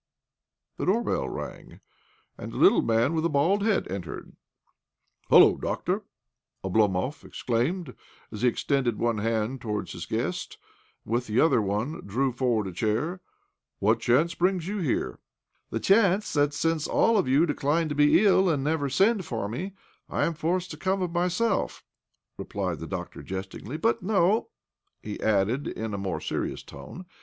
The doorbell rang, and a little man with a bald head entered. " Hullo, doctor I " Oblomov exclaimed as he extended one hand ' towards his guest, and with the other one dtew forward a chair. "What chance brings you here?" " The chance that, since all of you decline to be ill, and never send for me, I am forced to come of myself," repUed the doctor jest OBLOMOV 65 ingly. " But no," he added, in a more serious tone.